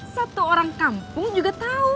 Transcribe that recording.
satu orang kampung juga tahu